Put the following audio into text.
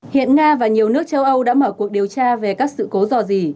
hiện nga và nhiều nước châu âu đã mở cuộc điều tra về các sự cố dò dỉ